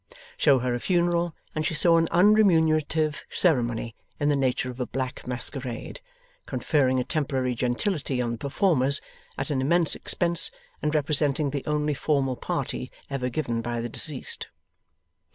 Show her a Funeral, and she saw an unremunerative ceremony in the nature of a black masquerade, conferring a temporary gentility on the performers, at an immense expense, and representing the only formal party ever given by the deceased.